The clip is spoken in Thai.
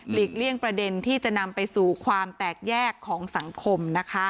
เลี่ยงประเด็นที่จะนำไปสู่ความแตกแยกของสังคม